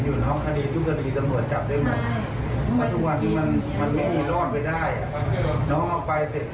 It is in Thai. แล้วก็ติดคุกพ่อแม่อะไรอย่างนี้